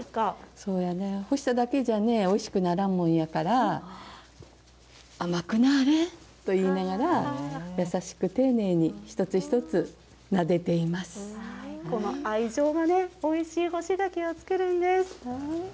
そうやね、干しただけじゃとね、おいしくならんもんやから、甘くなーれと言いながら、優しくこの愛情がね、おいしい干し柿を作るんです。